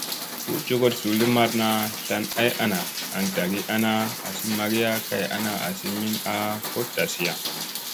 Suu jogoɗ zulli maɗna tlan ay ana an ɗagi ana asi magiya kay ana asi min a koɗtasiya.